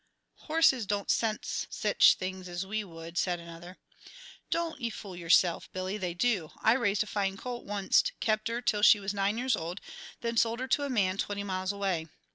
"Horses don't sense sech things ez we would," said another. "Don't ye fool yerself, Billy, they do. I raised a fine colt onct, kept her till she was nine years old, then sold her to a man twenty miles away.